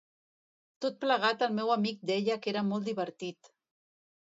Tot plegat el meu amic deia que era molt divertit.